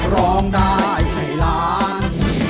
ร้องได้ให้ล้าน